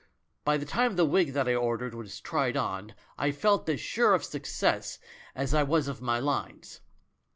By the time the wig that I ordered was tried on I felt as sure of success as I was of my lines!